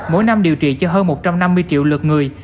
mỗi năm điều trị cho hơn một trăm năm mươi triệu lượt người